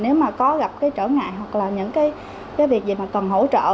nếu mà có gặp trở ngại hoặc là những việc gì mà cần hỗ trợ